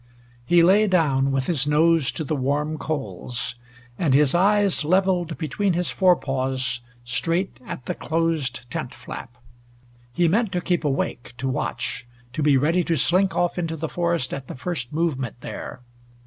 He lay down, with his nose to the warm coals and his eyes leveled between his forepaws, straight at the closed tent flap. He meant to keep awake, to watch, to be ready to slink off into the forest at the first movement there.